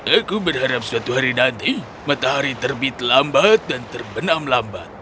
aku berharap suatu hari nanti matahari terbit lambat dan terbenam lambat